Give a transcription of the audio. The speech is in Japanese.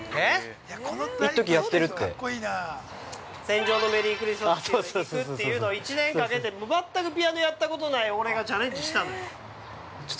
◆「戦場のメリークリスマス」弾くっていうのを１年かけて全くピアノやったことない俺がチャレンジしたのよ。